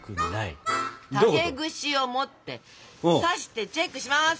竹串を持って刺してチェックします。